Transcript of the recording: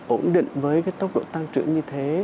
ổn định với cái tốc độ tăng trưởng như thế